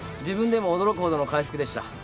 自分でも驚くほどの回復でした。